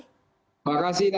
terima kasih nana